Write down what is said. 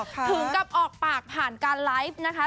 ถึงกับออกปากผ่านการไลฟ์นะคะ